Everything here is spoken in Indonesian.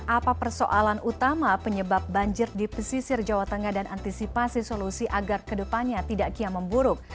apa persoalan utama penyebab banjir di pesisir jawa tengah dan antisipasi solusi agar kedepannya tidak kian memburuk